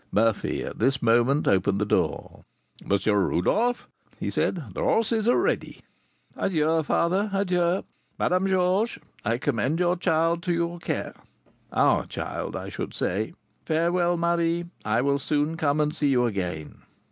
'" Murphy, at this moment, opened the door. "M. Rodolph," he said, "the horses are ready." "Adieu, father! adieu, Madame Georges! I commend your child to your care, our child, I should say. Farewell, Marie; I will soon come and see you again."